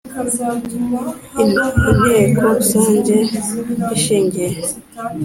n Inteko Rusange ishingiye